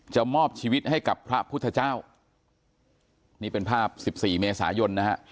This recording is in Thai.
มอบชีวิตให้กับพระพุทธเจ้านี่เป็นภาพสิบสี่เมษายนนะฮะ